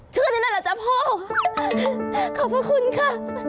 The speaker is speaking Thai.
ชื่อนี้เลยเหรอจ้ะพ่อขอบคุณค่ะ